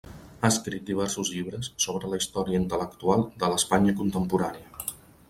Ha escrit diversos llibres sobre la història intel·lectual de l’Espanya contemporània.